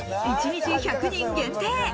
一日１００人限定。